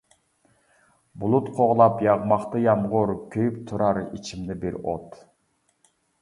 بۇلۇت قوغلاپ ياغماقتا يامغۇر، كۆيۈپ تۇرار ئىچىمدە بىر ئوت.